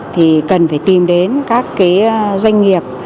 thì cần phải tìm đến các cái doanh nghiệp